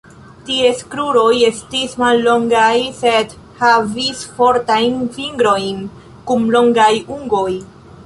Ties kruroj estis mallongaj, sed havis fortajn fingrojn kun longaj ungoj.